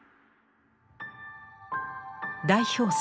代表作